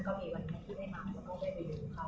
ก็มีวันนี้ที่ได้มากก็ต้องไปดูเขา